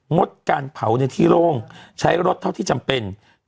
งดการเผาในที่โล่งใช้รถเท่าที่จำเป็น